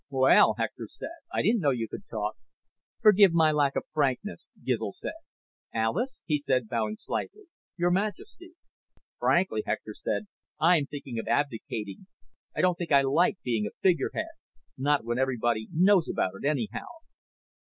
"Well," Hector said, "I didn't know you could talk." "Forgive my lack of frankness," Gizl said. "Alis," he said, bowing slightly. "Your Majesty." "Frankly," Hector said, "I'm thinking of abdicating. I don't think I like being a figurehead. Not when everybody knows about it, anyhow."